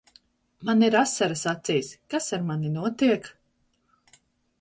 Man ir asaras acīs. Kas ar mani notiek?